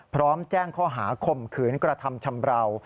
พร้อมแจ้งข้อหาข่มขืนกระทำชำราว